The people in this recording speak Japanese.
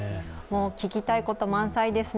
聞きたいこと満載ですね。